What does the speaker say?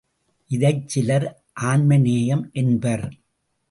இதைச் சிலர் ஆன்ம நேயம் என்பர்.